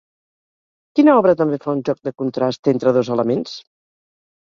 Quina obra també fa un joc de contrast entre dos elements?